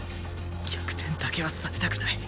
逆転だけはされたくない！